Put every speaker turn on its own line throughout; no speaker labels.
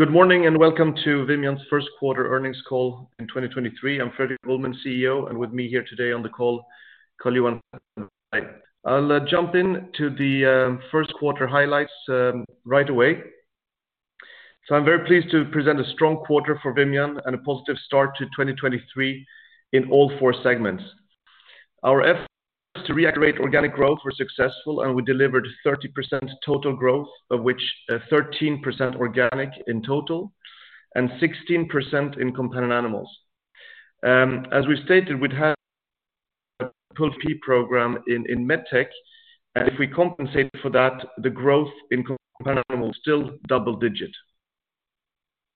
Good morning and welcome to Vimian's First Quarter Earnings Call in 2023. I'm Fredrik Ullman, CEO, and with me here today on the call, Carl-Johan. I will jump in to the first quarter highlights right away, So am very pleased to present a strong quarter for Vimian and a positive start to 2023 in all four segments. Our effort to reiterate organic growth were successful, We delivered 30% total growth of which 13% organic in total, 16% in companion animals.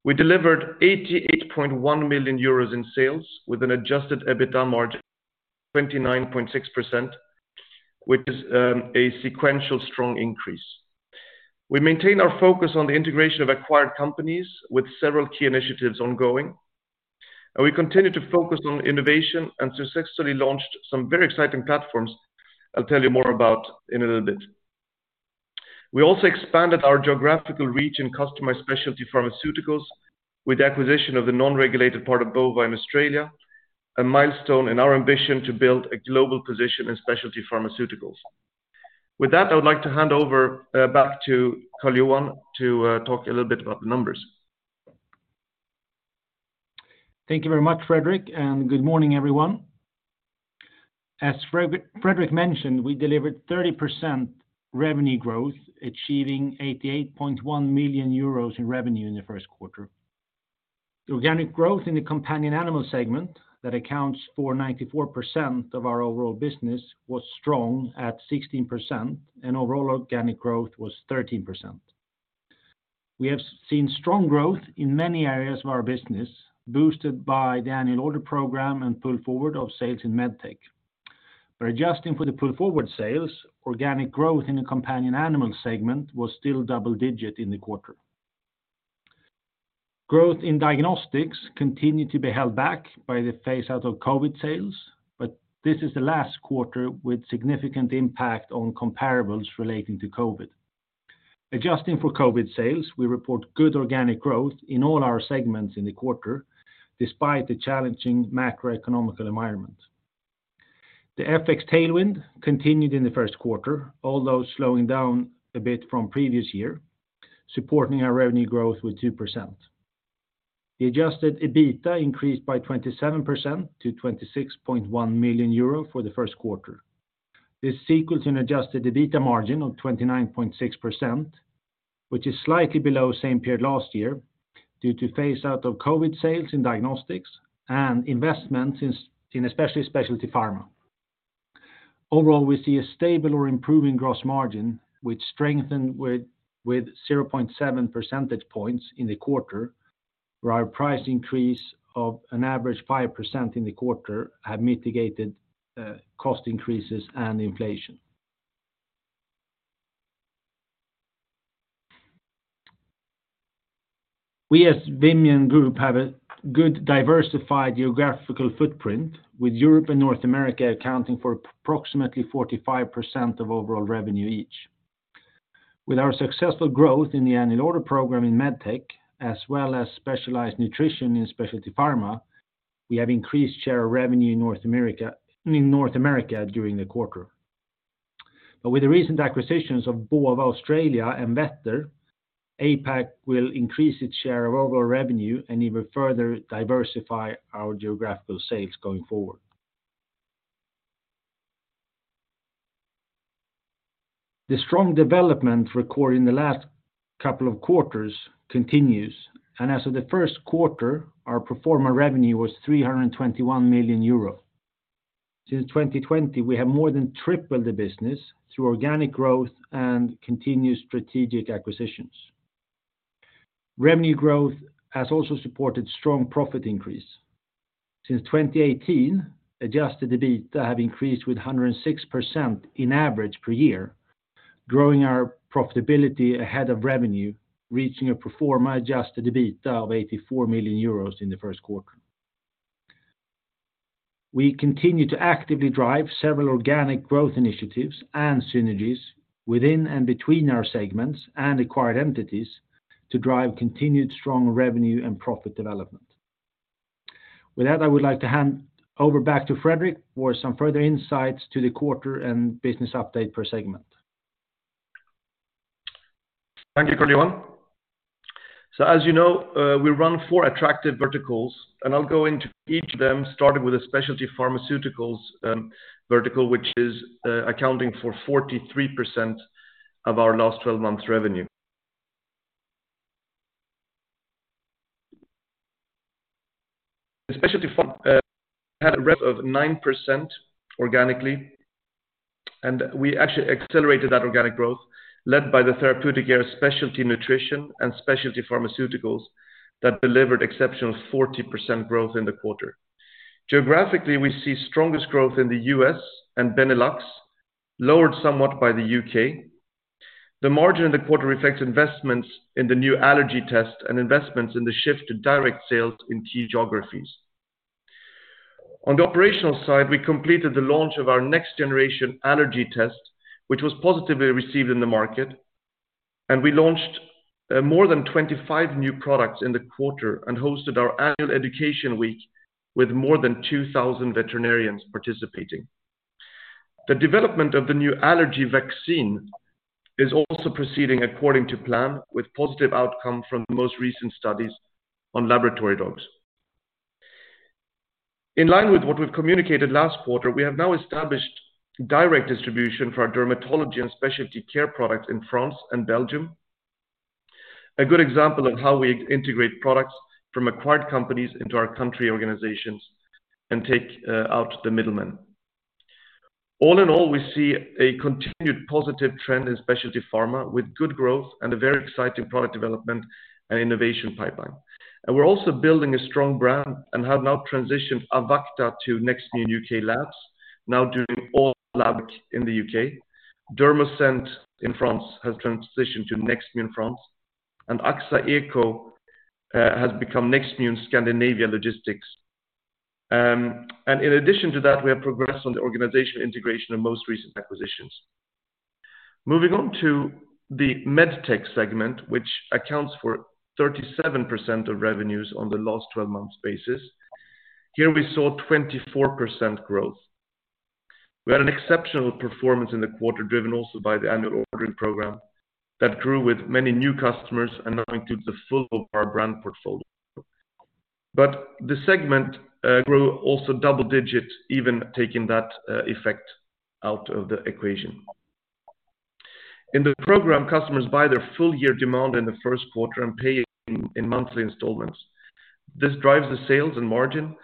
We delivered EUR 88.1 million in sales with an Adjusted EBITDA margin of 29.6% which is a sequantial strong increase. We maintain our focus on intergration of acquired companies We continue to focus on innovation.
Thank you very much, Fredrik, and good morning, everyone. As Fredrik mentioned, we delivered 30% revenue growth, achieving EUR 88.1 million in revenue in the first quarter. The organic growth in the companion animal segment that accounts for 94% of our overall business was strong at 16%, and overall organic growth was 13%. We have seen strong growth in many areas of our business, boosted by the annual order program and pull forward of sales in MedTech. Adjusting for the pull forward sales, organic growth in the companion animal segment was still double digit in the quarter. Growth in Diagnostics continued to be held back by the phase out of COVID sales. This is the last quarter with significant impact on comparables relating to COVID. Adjusting for COVID sales, we report good organic growth in all our segments in the quarter, despite the challenging macroeconomic environment. The FX tailwind continued in the first quarter, although slowing down a bit from previous year, supporting our revenue growth with 2%. The Adjusted EBITDA increased by 27% to 26.1 million euro for the first quarter. This sequels an adjusted EBITDA margin of 29.6%, which is slightly below same period last year due to phase out of COVID sales in Diagnostics and investments in especially Specialty Pharma. Overall, we see a stable or improving gross margin which strengthened with 0.7 percentage points in the quarter, where our price increase of an average 5% in the quarter have mitigated cost increases and inflation. We as Vimian Group have a good diversified geographical footprint, with Europe and North America accounting for approximately 45% of overall revenue each. With our successful growth in the annual order program in MedTech, as well as Specialized Nutrition in Specialty Pharma, we have increased share of revenue in North America during the quarter. With the recent acquisitions of Bova of Australia and Vettr, APAC will increase its share of overall revenue and even further diversify our geographical sales going forward. The strong development recorded in the last couple of quarters continues. As of the first quarter, our pro forma revenue was 321 million euro. Since 2020, we have more than tripled the business through organic growth and continued strategic acquisitions. Revenue growth has also supported strong profit increase. Since 2018, Adjusted EBITDA have increased with 106% in average per year, growing our profitability ahead of revenue, reaching a pro forma adjusted EBITDA of 84 million euros in the first quarter. We continue to actively drive several organic growth initiatives and synergies within and between our segments and acquired entities to drive continued strong revenue and profit development. I would like to hand over back to Fredrik for some further insights to the quarter and business update per segment.
Thank you, Carl-Johan. As you know, we run 4 attractive verticals, and I'll go into each of them, starting with the Specialty Pharmaceuticals vertical, which is accounting for 43% of our last 12 months revenue. The Specialty Pharmaceuticals had a rev of 9% organically, and we actually accelerated that organic growth led by the therapeutic area of Specialized Nutrition and Specialty Pharmaceuticals that delivered exceptional 40% growth in the quarter. Geographically, we see strongest growth in the US and Benelux, lowered somewhat by the U.K. The margin in the quarter affects investments in the new allergy test and investments in the shift to direct sales in key geographies. On the operational side, we completed the launch of our next generation allergy test, which was positively received in the market. We launched more than 25 new products in the quarter and hosted our annual education week with more than 2,000 veterinarians participating. The development of the new allergy vaccine is also proceeding according to plan, with positive outcome from the most recent studies on laboratory dogs. In line with what we've communicated last quarter, we have now established direct distribution for our dermatology and specialty care products in France and Belgium. A good example of how we integrate products from acquired companies into our country organizations and take out the middlemen. All in all, we see a continued positive trend in Specialty Pharma with good growth and a very exciting product development and innovation pipeline. We're also building a strong brand and have now transitioned Avacta to NextGen U.K. Labs, now doing all labs in the UK. Dermoscent in France has transitioned to NextGen France, and Axaeco has become NextGen Scandinavia Logistics. In addition to that, we have progressed on the organizational integration of most recent acquisitions. Moving on to the MedTech segment, which accounts for 37% of revenues on the last 12 months basis. Here we saw 24% growth. We had an exceptional performance in the quarter, driven also by the annual ordering program that grew with many new customers and now includes the full of our brand portfolio. The segment grew also double-digit, even taking that effect out of the equation. In the program, customers buy their full year demand in the first quarter and pay in monthly installments. This drives the sales and margin,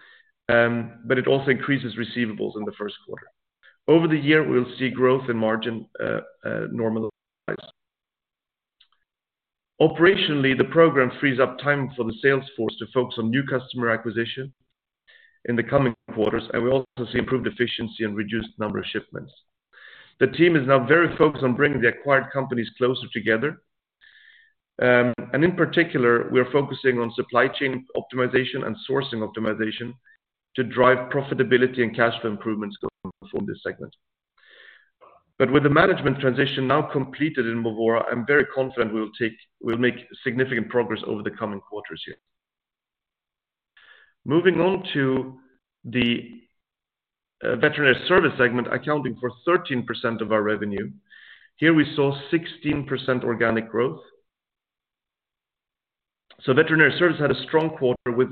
but it also increases receivables in the first quarter. Over the year, we'll see growth in margin, normalize. Operationally, the program frees up time for the sales force to focus on new customer acquisition in the coming quarters, and we also see improved efficiency and reduced number of shipments. The team is now very focused on bringing the acquired companies closer together. And in particular, we are focusing on supply chain optimization and sourcing optimization to drive profitability and cash flow improvements going forward for this segment. With the management transition now completed in Movora, I'm very confident we'll make significant progress over the coming quarters here. Moving on to the Veterinary Services segment, accounting for 13% of our revenue. Here we saw 16% organic growth. Veterinary Services had a strong quarter with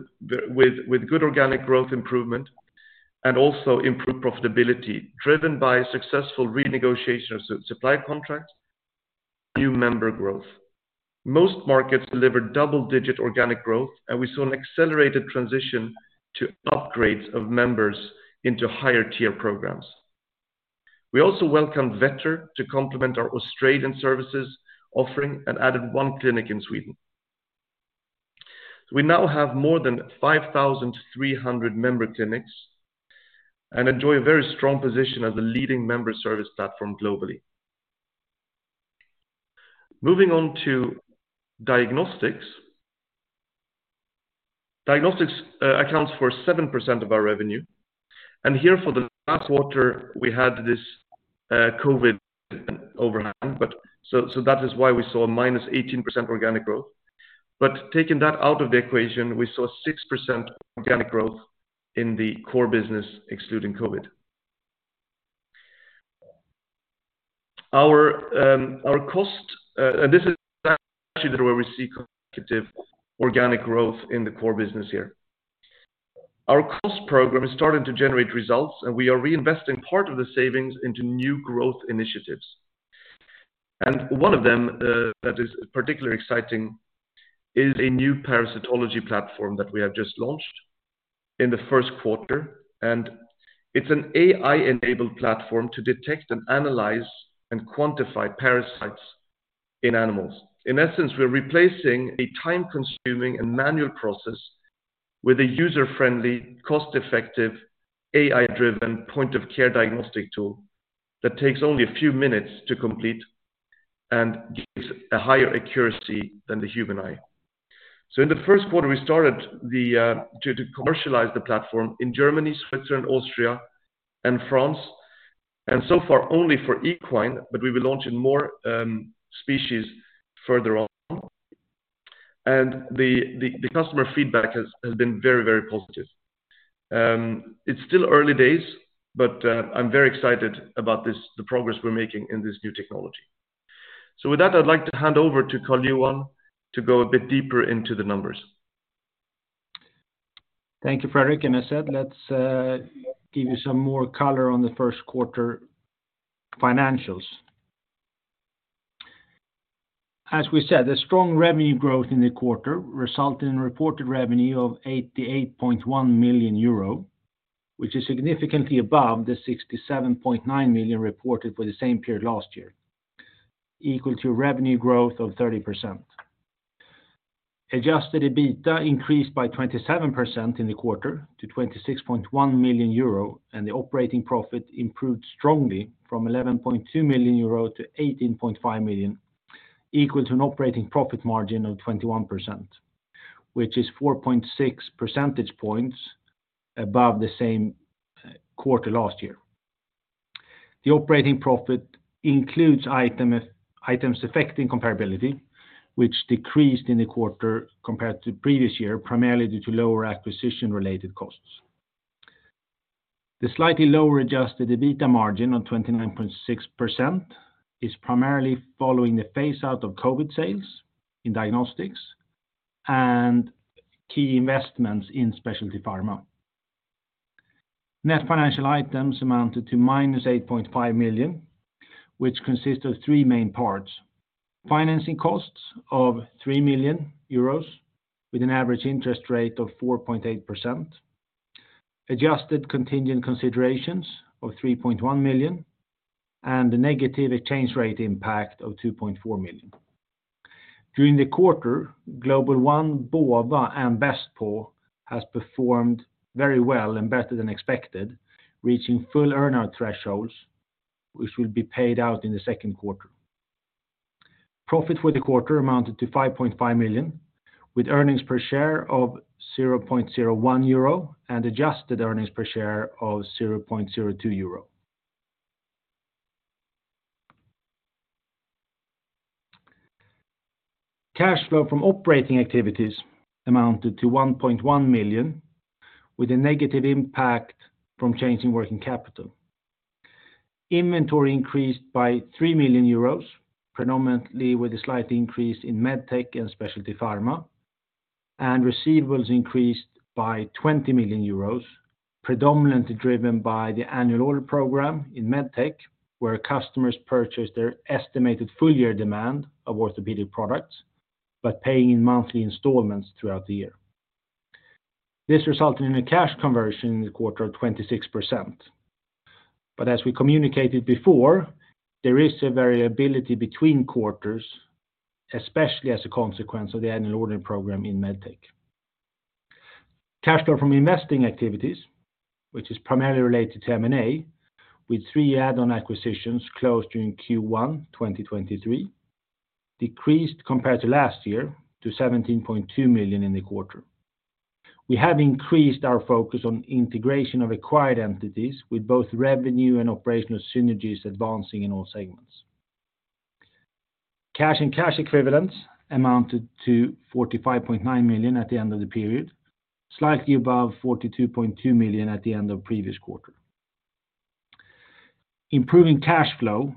good organic growth improvement and also improved profitability, driven by successful renegotiation of supply contracts, new member growth. Most markets delivered double-digit organic growth, and we saw an accelerated transition to upgrades of members into higher tier programs. We also welcomed Vettr to complement our Australian services offering and added one clinic in Sweden. We now have more than 5,300 member clinics and enjoy a very strong position as a leading member service platform globally. Moving on to Diagnostics. Diagnostics accounts for 7% of our revenue, and here for the last quarter, we had this COVID overhang, but so that is why we saw a -18% organic growth. Taking that out of the equation, we saw 6% organic growth in the core business excluding COVID. Our cost, and this is actually where we see competitive organic growth in the core business here. Our cost program is starting to generate results, and we are reinvesting part of the savings into new growth initiatives. One of them that is particularly exciting is a new parasitology platform that we have just launched in the first quarter. It's an AI-enabled platform to detect and analyze and quantify parasites in animals. In essence, we're replacing a time-consuming and manual process with a user-friendly, cost-effective, AI-driven point of care diagnostic tool that takes only a few minutes to complete and gives a higher accuracy than the human eye. In the first quarter, we started to commercialize the platform in Germany, Switzerland, Austria, and France. So far only for equine, but we will launch in more species further on. The customer feedback has been very positive. It's still early days, but I'm very excited about this, the progress we're making in this new technology. With that, I'd like to hand over to Carl-Johan to go a bit deeper into the numbers.
Thank you, Fredrik. As said, let's give you some more color on the first quarter financials. As we said, the strong revenue growth in the quarter resulted in reported revenue of 88.1 million euro, which is significantly above the 67.9 million reported for the same period last year, equal to revenue growth of 30%. Adjusted EBITDA increased by 27% in the quarter to 26.1 million euro, and the operating profit improved strongly from 11.2 million euro to 18.5 million. Equal to an operating profit margin of 21%, which is 4.6 percentage points above the same quarter last year. The operating profit includes items affecting comparability, which decreased in the quarter compared to previous year, primarily due to lower acquisition-related costs. The slightly lower Adjusted EBITA margin of 29.6% is primarily following the phase out of COVID sales in Diagnostics and key investments in Specialty Pharma. Net financial items amounted to -8.5 million, which consists of three main parts. Financing costs of 3 million euros with an average interest rate of 4.8%. Adjusted contingent consideration of 3.1 million, and the negative exchange rate impact of 2.4 million. During the quarter, Global One, Bova, and Best-Pro has performed very well and better than expected, reaching full earnout thresholds, which will be paid out in the second quarter. Profit for the quarter amounted to 5.5 million, with earnings per share of 0.01 euro and adjusted earnings per share of 0.02 euro. Cash flow from operating activities amounted to 1.1 million, with a negative impact from changing working capital. Inventory increased by 3 million euros, predominantly with a slight increase in MedTech and Specialty Pharma. Receivables increased by 20 million euros, predominantly driven by the annual ordering programme in MedTech, where customers purchase their estimated full year demand of orthopedic products by paying in monthly installments throughout the year. This resulted in a cash conversion in the quarter of 26%. As we communicated before, there is a variability between quarters, especially as a consequence of the annual ordering programme in MedTech. Cash flow from investing activities, which is primarily related to M&A, with three add-on acquisitions closed during Q1 2023, decreased compared to last year to 17.2 million in the quarter. We have increased our focus on integration of acquired entities with both revenue and operational synergies advancing in all segments. Cash and cash equivalents amounted to 45.9 million at the end of the period, slightly above 42.2 million at the end of previous quarter. Improving cash flow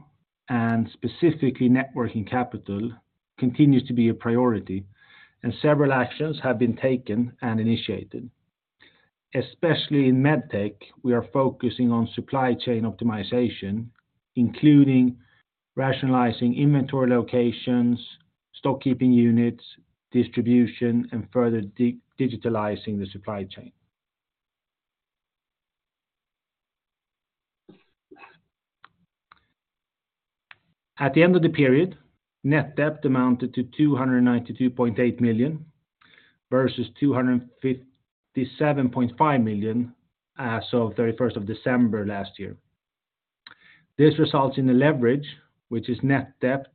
and specifically net working capital continues to be a priority, and several actions have been taken and initiated. Especially in MedTech, we are focusing on supply chain optimization, including rationalizing inventory locations, stock keeping units, distribution, and further digitalizing the supply chain. At the end of the period, net debt amounted to 292.8 million versus 257.5 million as of 31st of December last year. This results in a leverage which is net debt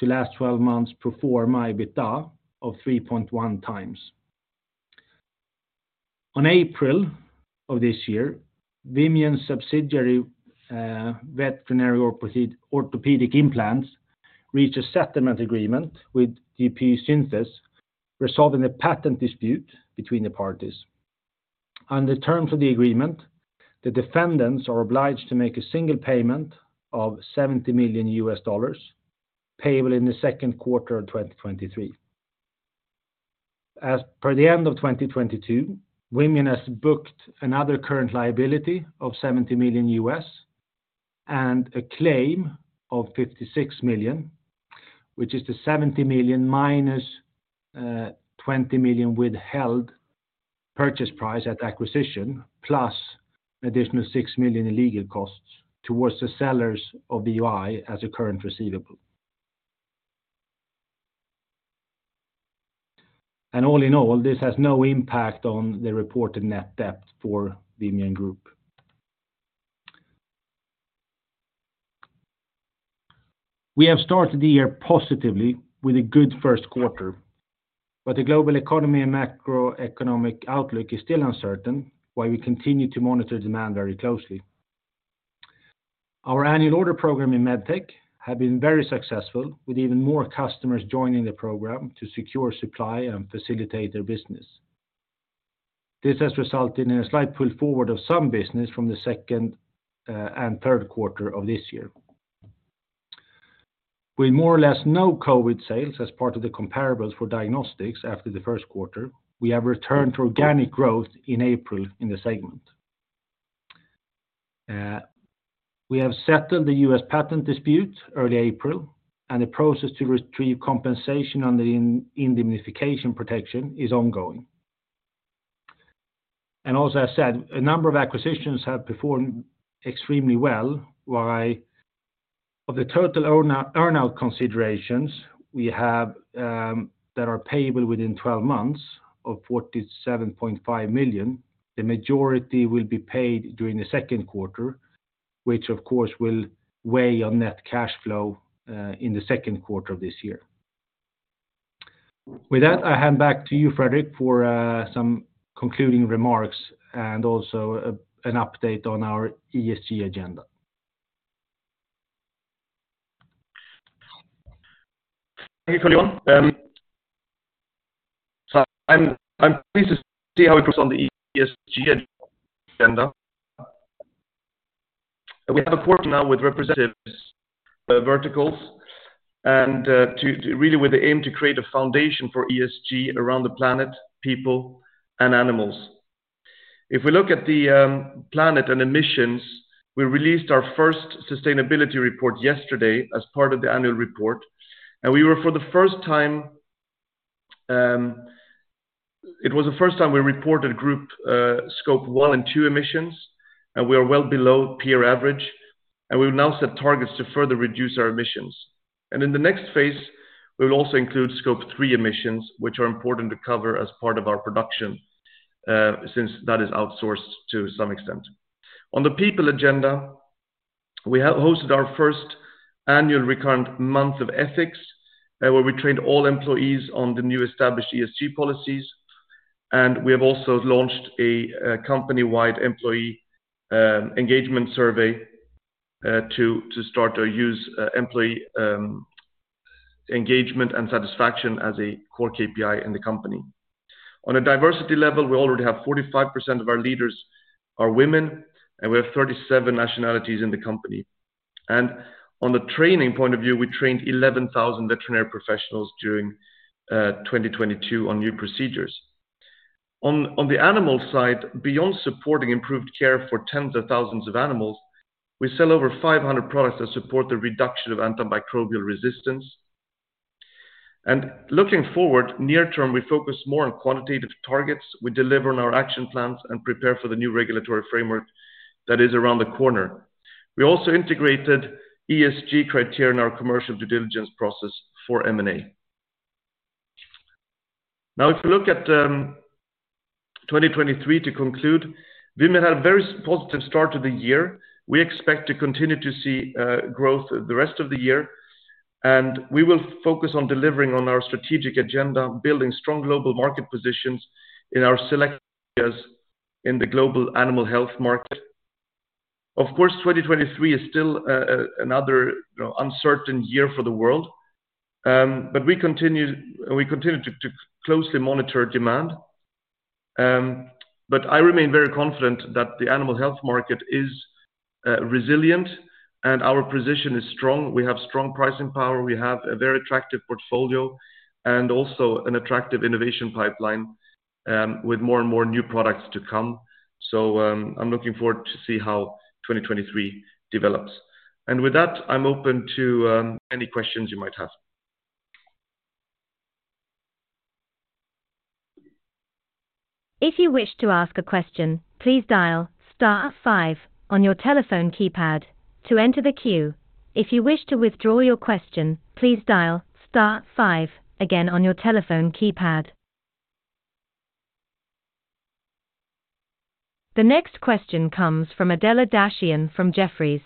to last twelve months pro forma EBITDA of 3.1 times. On April of this year, Vimian subsidiary, Veterinary Orthopedic Implants, LLC, reached a settlement agreement with DePuy Synthes, resolving a patent dispute between the parties. Under terms of the agreement, the defendants are obliged to make a single payment of $70 million US dollars payable in the second quarter of 2023. As per the end of 2022, Vimian has booked another current liability of $70 million US and a claim of $56 million, which is the $70 million minus $20 million withheld purchase price at acquisition, plus additional $6 million in legal costs towards the sellers of VOI as a current receivable. All in all, this has no impact on the reported net debt for Vimian Group. We have started the year positively with a good first quarter, the global economy and macroeconomic outlook is still uncertain, while we continue to monitor demand very closely. Our annual ordering programme in MedTech have been very successful, with even more customers joining the program to secure supply and facilitate their business. This has resulted in a slight pull forward of some business from the second and third quarter of this year. With more or less no COVID sales as part of the comparables for Diagnostics after the first quarter, we have returned to organic growth in April in the segment. We have settled the U.S. patent dispute early April, and the process to retrieve compensation under the indemnification protection is ongoing. Also, as I said, a number of acquisitions have performed extremely well. While of the total earnout considerations we have, that are payable within 12 months of 47.5 million, the majority will be paid during the second quarter. Which of course will weigh on net cash flow in the second quarter of this year. With that, I hand back to you, Fredrik, for some concluding remarks and also an update on our ESG agenda.
Thank you, Carl-Johan. I'm pleased to see how it goes on the ESG agenda. We have a work now with representatives, verticals and to really with the aim to create a foundation for ESG around the planet, people and animals. If we look at the planet and emissions, we released our first sustainability report yesterday as part of the annual report. It was the first time we reported group Scope 1 and 2 emissions, and we are well below peer average, and we've now set targets to further reduce our emissions. In the next phase, we'll also include Scope 3 emissions, which are important to cover as part of our production, since that is outsourced to some extent. On the people agenda, we hosted our first annual recurrent month of ethics, where we trained all employees on the new established ESG policies. We have also launched a company-wide employee engagement survey to start to use employee engagement and satisfaction as a core KPI in the company. On a diversity level, we already have 45% of our leaders are women, and we have 37 nationalities in the company. On the training point of view, we trained 11,000 veterinary professionals during 2022 on new procedures. On the animal side, beyond supporting improved care for tens of thousands of animals, we sell over 500 products that support the reduction of antimicrobial resistance. Looking forward, near term, we focus more on quantitative targets. We deliver on our action plans and prepare for the new regulatory framework that is around the corner. We also integrated ESG criteria in our commercial due diligence process for M&A. If you look at 2023 to conclude, Vimian had a very positive start to the year. We expect to continue to see growth the rest of the year, and we will focus on delivering on our strategic agenda, building strong global market positions in our select areas in the global animal health market. Of course, 2023 is still another uncertain year for the world, but we continue to closely monitor demand. I remain very confident that the animal health market is resilient and our position is strong. We have strong pricing power. We have a very attractive portfolio and also an attractive innovation pipeline, with more and more new products to come. I'm looking forward to see how 2023 develops. With that, I'm open to any questions you might have.
If you wish to ask a question, please dial star five on your telephone keypad to enter the queue. If you wish to withdraw your question, please dial star five again on your telephone keypad. The next question comes from Adela Dashian from Jefferies.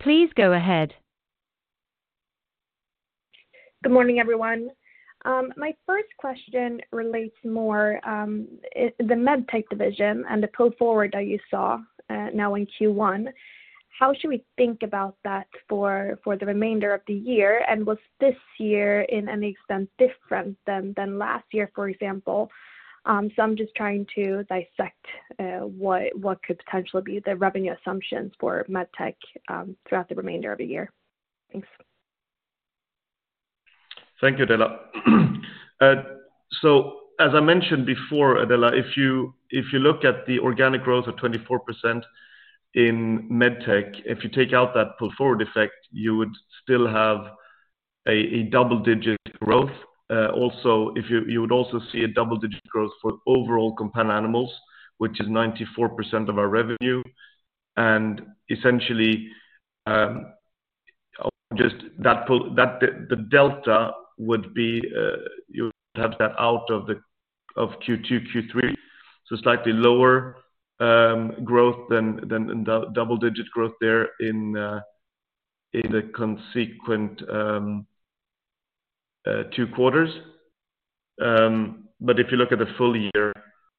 Please go ahead.
Good morning, everyone. my first question relates more the MedTech division and the pull forward that you saw now in Q1. How should we think about that for the remainder of the year? Was this year in any extent different than last year, for example? I'm just trying to dissect what could potentially be the revenue assumptions for MedTech throughout the remainder of the year. Thanks.
Thank you, Adela. As I mentioned before, Adela, if you look at the organic growth of 24% in MedTech, if you take out that pull forward effect, you would still have a double-digit growth. Also, you would also see a double-digit growth for overall companion animals, which is 94% of our revenue. Essentially, just that the delta would be, you have that out of Q2, Q3, so slightly lower growth than double-digit growth there in the consequent two quarters. If you look at the full year,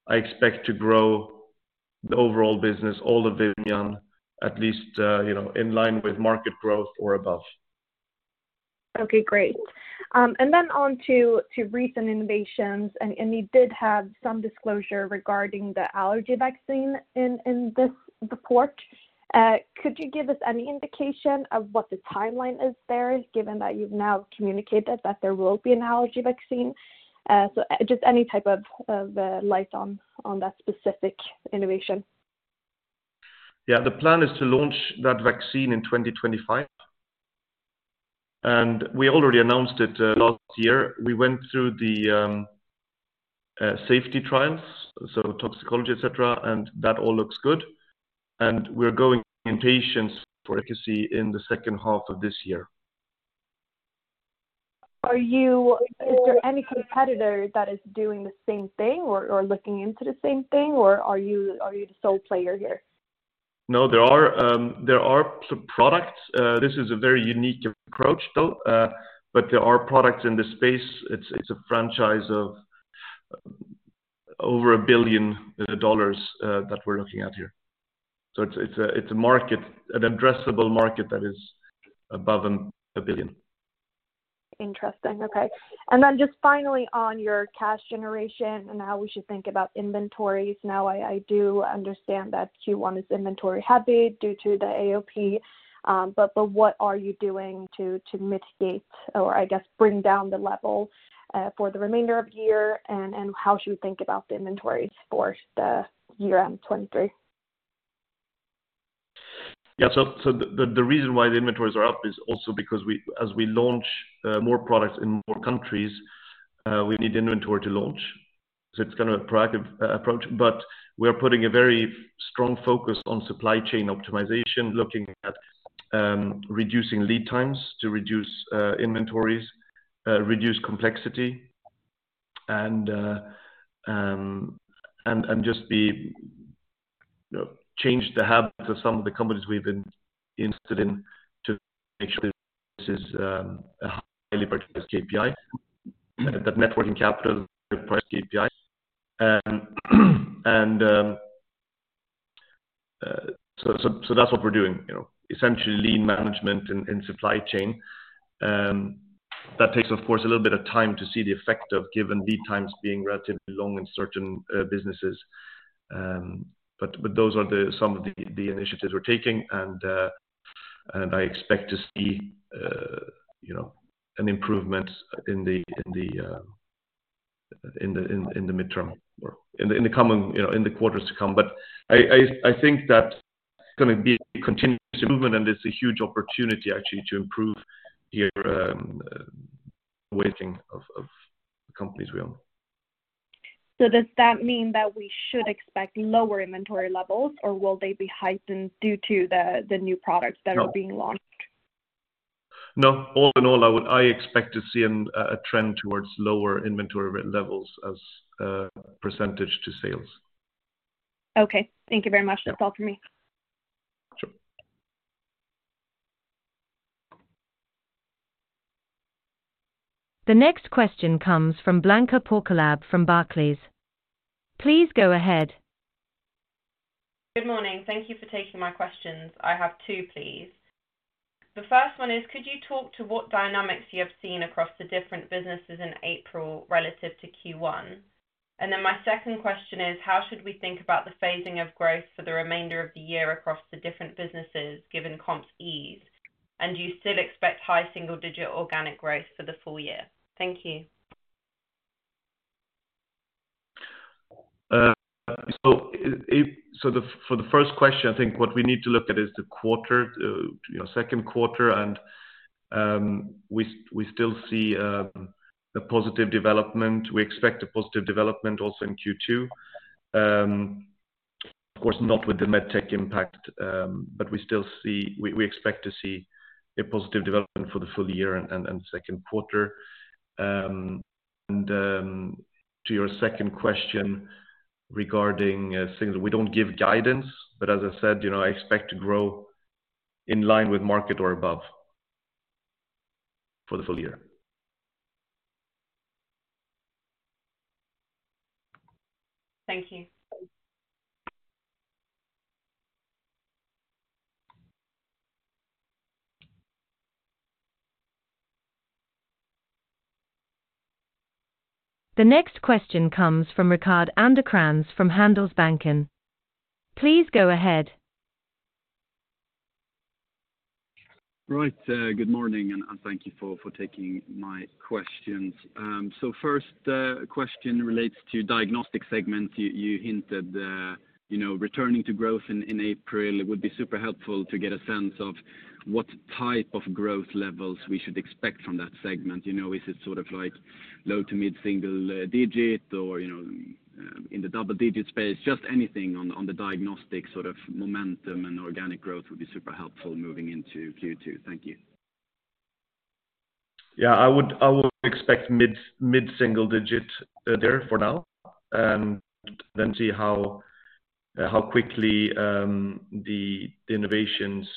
I expect to grow the overall business, all of Vimian at least, you know, in line with market growth or above.
Okay, great. On to recent innovations, and you did have some disclosure regarding the allergy vaccine in this report. Could you give us any indication of what the timeline is there, given that you've now communicated that there will be an allergy vaccine? Just any type of light on that specific innovation.
Yeah. The plan is to launch that vaccine in 2025. We already announced it last year. We went through the safety trials, so toxicology, etc. That all looks good. We're going in patients for efficacy in the second half of this year.
Is there any competitor that is doing the same thing or looking into the same thing or are you the sole player here?
There are products. This is a very unique approach, though, but there are products in this space. It's a franchise of over $1 billion, that we're looking at here. It's a market, an addressable market that is above $1 billion.
Interesting. Okay. Then just finally on your cash generation and how we should think about inventories. Now, I do understand that Q1 is inventory-heavy due to the AOP, but what are you doing to mitigate or I guess bring down the level for the remainder of the year and how should we think about the inventories for the year-end 2023?
Yeah. The reason why the inventories are up is also because as we launch more products in more countries, we need inventory to launch. It's kind of a proactive approach, but we are putting a very strong focus on supply chain optimization, looking at reducing lead times to reduce inventories, reduce complexity and just be, you know, change the habits of some of the companies we've been interested in to make sure this is a highly purchased KPI, that net working capital price KPI. That's what we're doing, you know. Essentially lean management in supply chain. That takes of course a little bit of time to see the effect of given lead times being relatively long in certain businesses. Those are the some of the initiatives we're taking, and I expect to see, you know, an improvement in the midterm or in the coming, you know, in the quarters to come. I think that it's gonna be a continuous movement, and it's a huge opportunity actually to improve here, weighting of the companies we own.
Does that mean that we should expect lower inventory levels or will they be heightened due to the new products that are being launched?
No. All in all, I expect to see a trend towards lower inventory levels as a percentage to sales.
Okay. Thank you very much.
Yeah.
That's all for me.
Sure.
The next question comes from Blanca Porkolab from Barclays. Please go ahead.
Good morning. Thank you for taking my questions. I have two, please. The first one is, could you talk to what dynamics you have seen across the different businesses in April relative to Q1? My second question is, how should we think about the phasing of growth for the remainder of the year across the different businesses, given comps ease? Do you still expect high single digit organic growth for the full year? Thank you.
For the first question, I think what we need to look at is the quarter, you know, second quarter, and we still see a positive development. We expect a positive development also in Q2. Of course, not with the MedTech impact, but we expect to see a positive development for the full year and second quarter. To your second question regarding things, we don't give guidance, but as I said, you know, I expect to grow in line with market or above for the full year.
Thank you.
The next question comes from Rickard Anderkrans from Handelsbanken. Please go ahead.
Right. good morning, and thank you for taking my questions. First, question relates to Diagnostics segment. You hinted, you know, returning to growth in April. It would be super helpful to get a sense of what type of growth levels we should expect from that segment. You know, is it sort of like low to mid-single digit or, you know, in the double-digit space? Just anything on the Diagnostics sort of momentum and organic growth would be super helpful moving into Q2. Thank you.
I would expect mid-single digit there for now, then see how quickly the innovations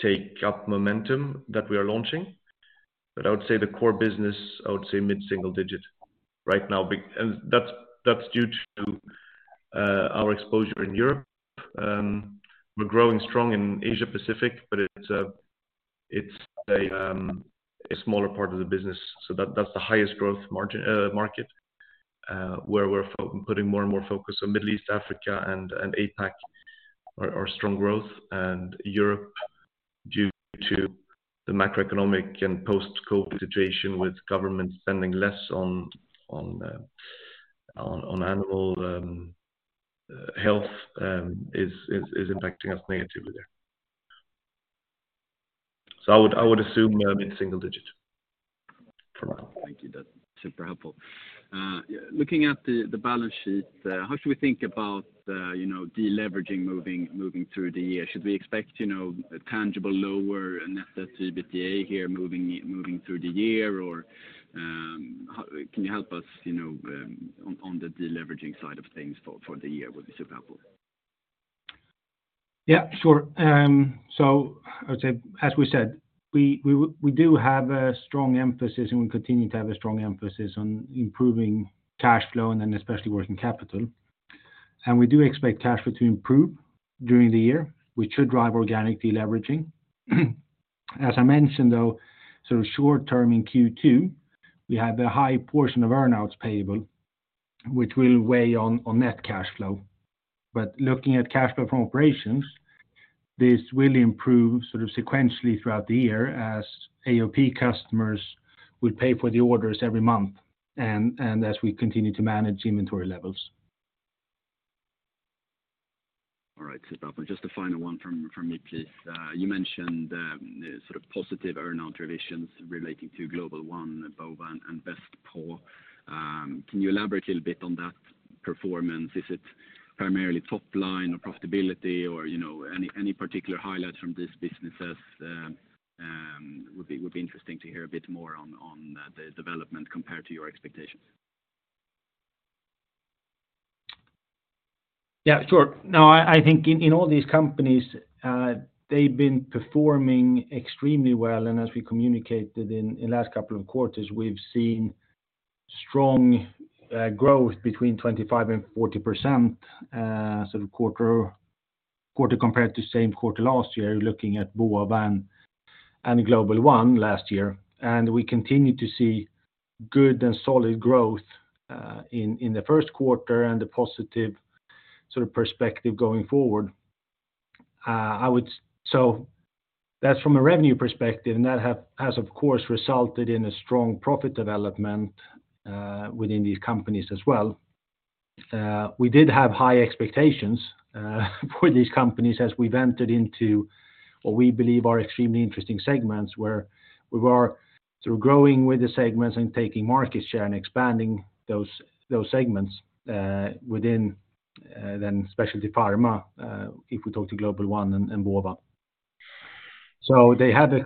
take up momentum that we are launching. I would say the core business mid-single digit right now and that's due to our exposure in Europe. We're growing strong in Asia Pacific, it's a smaller part of the business. That's the highest growth margin market where we're putting more and more focus on Middle East, Africa and APAC are strong growth. Europe, due to the macroeconomic and post-COVID situation with government spending less on animal health, is impacting us negatively there. I would assume mid-single digit.
Thank you. That's super helpful. Looking at the balance sheet, how should we think about, you know, deleveraging moving through the year? Should we expect, you know, a tangible lower net debt EBITDA here moving through the year? Or, can you help us, you know, on the deleveraging side of things for the year would be super helpful.
Yeah, sure. I would say, as we said, we do have a strong emphasis, and we continue to have a strong emphasis on improving cash flow especially working capital. We do expect cash flow to improve during the year, which should drive organic deleveraging. As I mentioned, though, sort of short term in Q2, we have a high portion of earnouts payable, which will weigh on net cash flow. Looking at cash flow from operations, this will improve sort of sequentially throughout the year as AOP customers will pay for the orders every month and as we continue to manage inventory levels.
All right, super. Just a final one from me, please. You mentioned the sort of positive earnout revisions relating to Global One, Bova, and BestPro. Can you elaborate a little bit on that performance? Is it primarily top line or profitability or, you know, any particular highlights from these businesses, would be interesting to hear a bit more on the development compared to your expectations.
Yeah, sure. No, I think in all these companies, they've been performing extremely well. As we communicated in the last couple of quarters, we've seen strong growth between 25% and 40%, sort of quarter-over-quarter compared to same quarter last year, looking at Bova and Global One last year. We continue to see good and solid growth in the first quarter and a positive sort of perspective going forward. So that's from a revenue perspective, and that has, of course, resulted in a strong profit development within these companies as well. We did have high expectations for these companies as we've entered into what we believe are extremely interesting segments where we are through growing with the segments and taking market share and expanding those segments, within then Specialty Pharma, if we talk to Global One and Bova.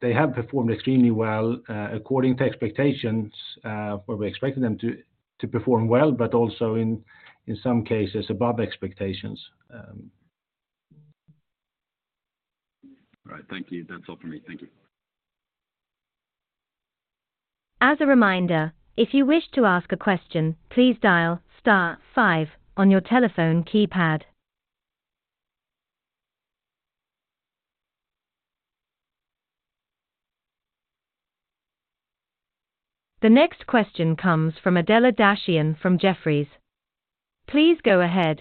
They have performed extremely well, according to expectations, where we expected them to perform well, but also in some cases above expectations.
All right. Thank you. That's all for me. Thank you.
As a reminder, if you wish to ask a question, please dial star five on your telephone keypad. The next question comes from Adela Dashian from Jefferies. Please go ahead.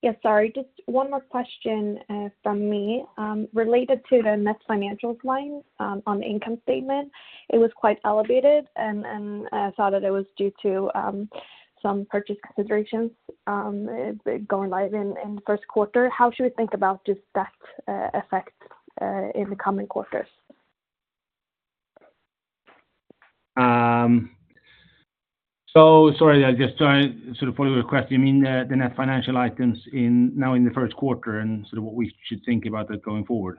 Yeah, sorry. Just one more question from me. Related to the net financials line on the income statement, it was quite elevated and I thought that it was due to some purchase considerations going live in the first quarter. How should we think about just that effect in the coming quarters?
Sorry, I'll just try to sort of follow your question. You mean the net financial items now in the first quarter and sort of what we should think about that going forward?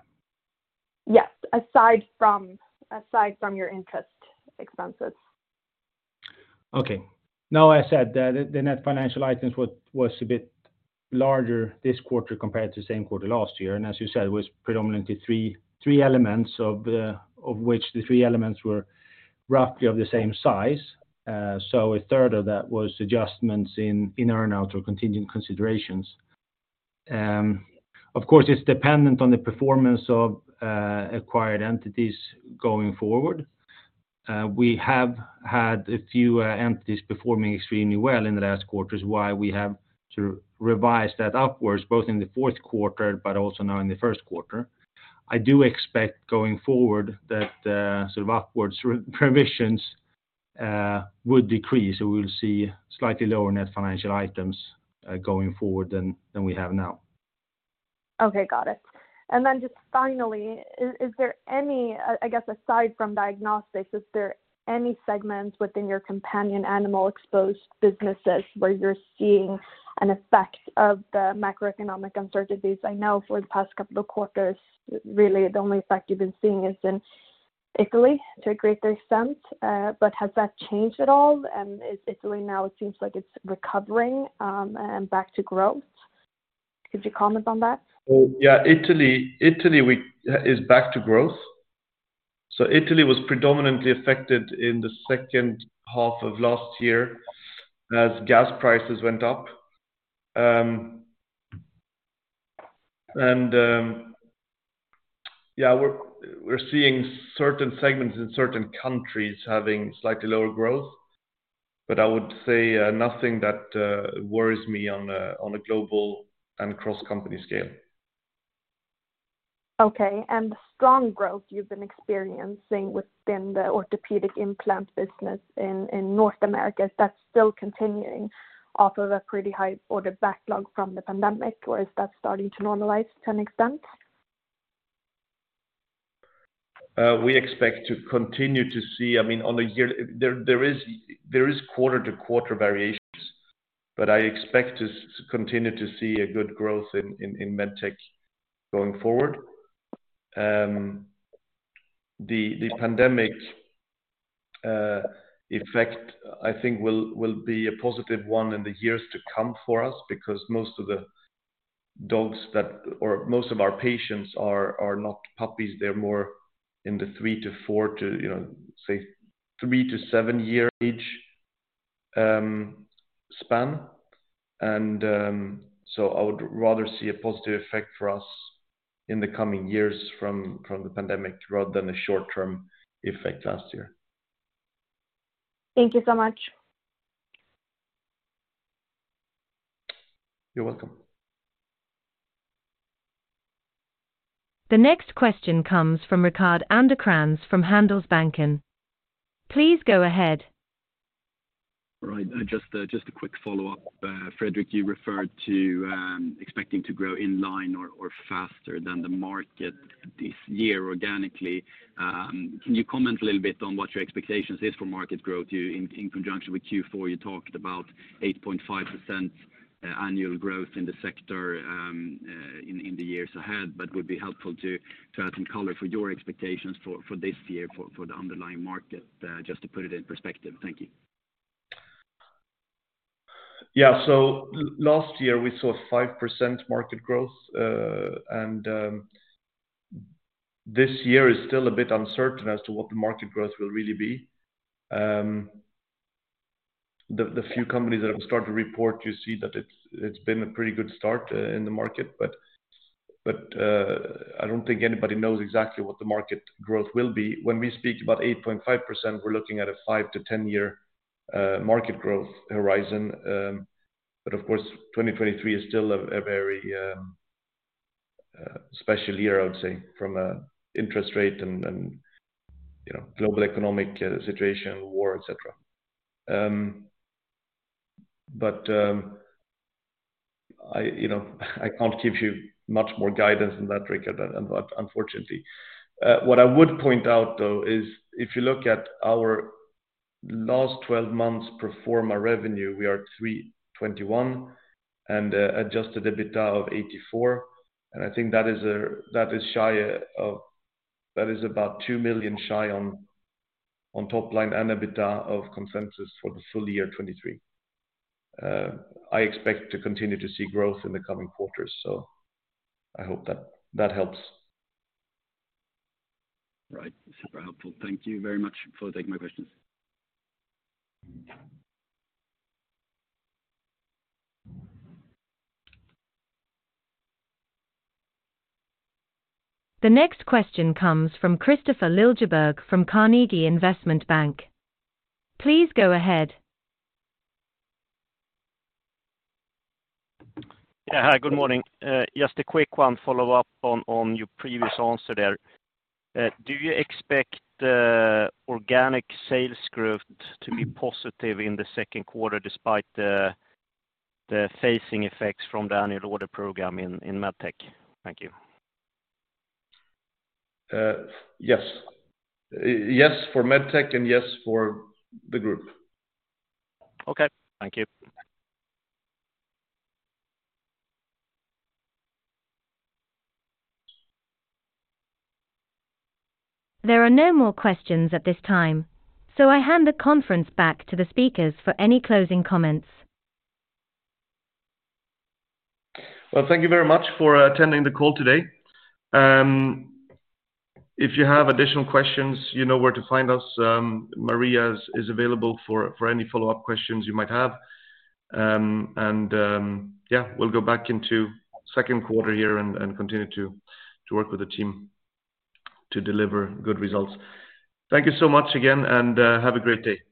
Yes. Aside from your interest expenses.
Okay. Now, I said the net financial items was a bit larger this quarter compared to the same quarter last year. As you said, it was predominantly three elements of which the three elements were roughly of the same size. A third of that was adjustments in earnout or contingent consideration. Of course, it's dependent on the performance of acquired entities going forward. We have had a few entities performing extremely well in the last quarters, why we have sort of revised that upwards, both in the fourth quarter but also now in the first quarter. I do expect going forward that sort of upwards re-provisions would decrease. We'll see slightly lower net financial items going forward than we have now.
Okay. Got it. Then just finally, I guess aside from Diagnostics, is there any segments within your companion animal exposed businesses where you're seeing an effect of the macroeconomic uncertainties? I know for the past couple of quarters, really the only effect you've been seeing is in Italy to a great extent. Has that changed at all? Is Italy now it seems like it's recovering, and back to growth. Could you comment on that?
Yeah. Italy is back to growth. Italy was predominantly affected in the second half of last year as gas prices went up. Yeah, we're seeing certain segments in certain countries having slightly lower growth. I would say, nothing that worries me on a global and cross-company scale.
Okay. The strong growth you've been experiencing within the orthopedic implant business in North America, is that still continuing off of a pretty high order backlog from the pandemic, or is that starting to normalize to an extent?
We expect to continue to see... I mean, there is quarter to quarter variations, but I expect us to continue to see a good growth in MedTech going forward. The pandemic effect, I think will be a positive one in the years to come for us because most of the dogs or most of our patients are not puppies. They're more in the three to four to, you know, say three to seven year age span. So I would rather see a positive effect for us in the coming years from the pandemic rather than a short term effect last year.
Thank you so much.
You're welcome.
The next question comes from Rickard Anderkrans from Handelsbanken. Please go ahead.
Right. Just a quick follow-up. Fredrik, you referred to expecting to grow in line or faster than the market this year organically. Can you comment a little bit on what your expectations is for market growth? In conjunction with Q4, you talked about 8.5% annual growth in the sector in the years ahead, but would be helpful to add some color for your expectations for this year for the underlying market just to put it in perspective. Thank you.
Last year we saw 5% market growth. This year is still a bit uncertain as to what the market growth will really be. The few companies that have started to report, you see that it's been a pretty good start in the market. But I don't think anybody knows exactly what the market growth will be. When we speak about 8.5%, we're looking at a 5-10 year market growth horizon. Of course, 2023 is still a very special year, I would say, from a interest rate and, you know, global economic situation, war, et cetera. I, you know, I can't give you much more guidance than that, Rickard, unfortunately. What I would point out, though, is if you look at our last 12 months pro forma revenue, we are 321 and adjusted EBITA of 84. I think that is about 2 million shy on top line and EBITDA of consensus for the full year 2023. I expect to continue to see growth in the coming quarters. I hope that that helps.
Right. Super helpful. Thank you very much for taking my questions.
The next question comes from Kristofer Liljeberg from Carnegie Investment Bank. Please go ahead.
Yeah. Hi, good morning. Just a quick one follow-up on your previous answer there. Do you expect the organic sales growth to be positive in the second quarter despite the phasing effects from the annual ordering programme in MedTech? Thank you.
Yes. Yes for MedTech and yes for the Group.
Okay. Thank you.
There are no more questions at this time, so I hand the conference back to the speakers for any closing comments.
Well, thank you very much for attending the call today. If you have additional questions, you know where to find us. Maria is available for any follow-up questions you might have. Yeah, we'll go back into second quarter here and continue to work with the team to deliver good results. Thank you so much again, have a great day. Bye-bye.